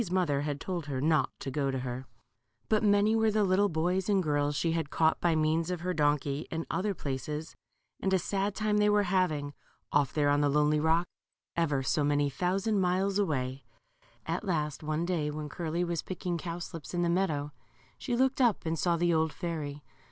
121 But many were the little boys and girls she had caught, by m^ans of her donkey, in other places, and a sad time they were having, off there on the lonely rock, ever so many thousand miles away. At last one day, when Curly was picking cow slips in the meadow, she looked up and saw the old fairy.